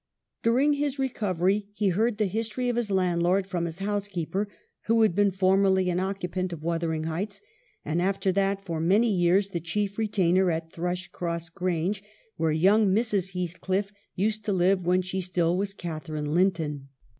During his recovery he heard the his tory of his landlord, from his housekeeper, who had been formerly an occupant of ' Wuthering Heights,' and after that, for many years, the chief retainer at Thrushcross Grange, where young Mrs. Heathcliff used to live when she still was Catharine Linton.